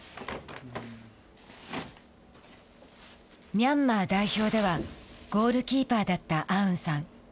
ミャンマー代表ではゴールキーパーだったアウンさん。